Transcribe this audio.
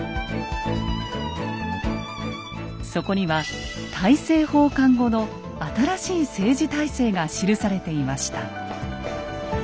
そこには大政奉還後の新しい政治体制が記されていました。